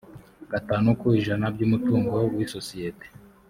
gatanu ku ijana by umutungo w isosiyete